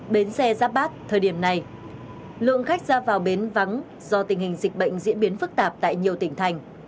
bến xe giáp bát thời điểm này lượng khách ra vào bến vắng do tình hình dịch bệnh diễn biến phức tạp tại nhiều tỉnh thành